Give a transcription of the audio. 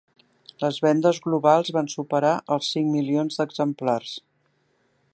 Les vendes globals van superar els cinc milions d'exemplars.